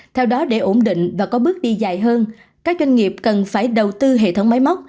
theo đó để ổn định và có bước đi dài hơn các doanh nghiệp cần phải đầu tư hệ thống máy móc